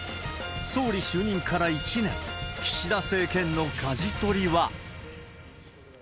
総理就任から１年、岸田政権のかじ取りは。